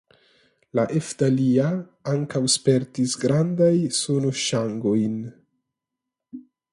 La elfdalia ankaŭ spertis grandajn sonoŝangojn.